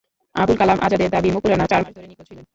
আবুল কালাম আজাদের দাবি, মুকুল রানা চার মাস ধরে নিখোঁজ ছিলেন।